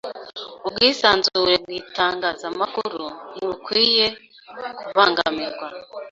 Ubwisanzure bw'itangazamakuru ntibukwiye kubangamirwa.